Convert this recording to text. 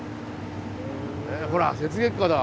ほら雪月花だ。